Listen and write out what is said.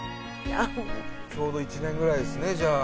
ちょうど１年ぐらいですねじゃあ。